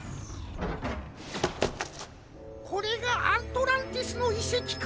これがアントランティスのいせきか。